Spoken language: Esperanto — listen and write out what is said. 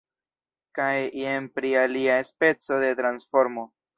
Kaj jen pri alia speco de transformo.